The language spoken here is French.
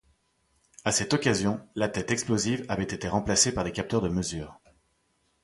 À cette occasion, la tête explosive avait été remplacée par des capteurs de mesures.